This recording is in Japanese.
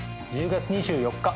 １０月２４日。